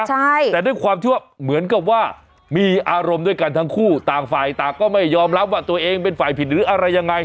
แต่ด้วยความที่ว่าเหมือนกับว่ามีอารมณ์ด้วยกันทั้งคู่ต่างฝ่ายต่างก็ไม่ยอมรับว่าตัวเองเป็นฝ่ายผิดหรืออะไรยังไง